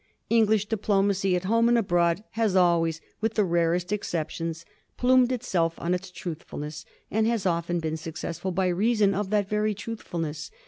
English diplomacy at home and abroad has always, with the rarest excep tions, plumed itself on its truthfulness, and has often been successful by reason of that very truthfulness.